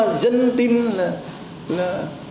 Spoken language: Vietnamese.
nhưng mà dân tin là